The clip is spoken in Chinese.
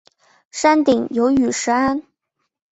山顶有雨石庵。